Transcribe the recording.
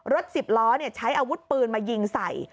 รถสิบล้อเนี่ยใช้อาวุธปืนมายิงใส่